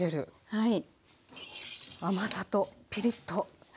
はい。